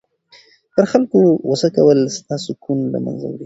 پر خلکو غصه کول ستا سکون له منځه وړي.